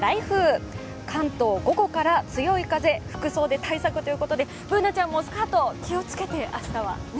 関東、午後から強い風服装で対策ということでＢｏｏｎａちゃんもスカート気をつけて明日は。